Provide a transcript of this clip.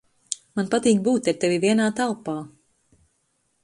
Man patīk būt ar tevi vienā telpā.